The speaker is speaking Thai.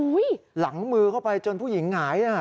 หลังมือเข้าไปจนผู้หญิงหงายน่ะ